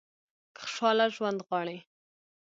که خوشاله ژوند غواړئ .